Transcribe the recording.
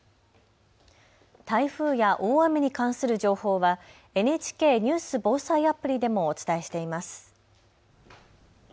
台風や大雨に関する情報はＮＨＫニュース・防災アプリでもお伝えしています。